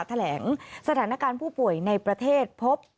แถลงสถานการณ์ผู้ป่วยในประเทศพบ